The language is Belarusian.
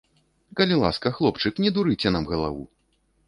Калі ласка, хлопчык, не дурыце нам галаву!